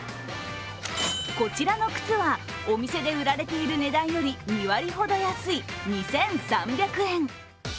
こちらの靴はお店で売られている値段より２割ほど安い２３００円。